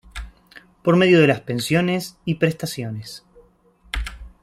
Por medio de las pensiones y prestaciones.